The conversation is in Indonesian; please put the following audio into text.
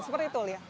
seperti itu lia